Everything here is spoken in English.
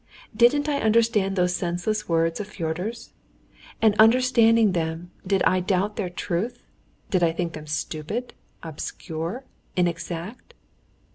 Didn't I understand those senseless words of Fyodor's? And understanding them, did I doubt of their truth? Did I think them stupid, obscure, inexact?